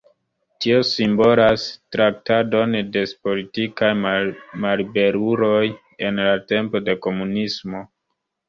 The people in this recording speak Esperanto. Tio simbolas traktadon de politikaj malliberuloj en la tempo de komunismo.